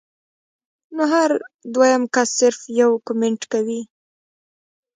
نو هر دويم کس صرف يو کمنټ کوي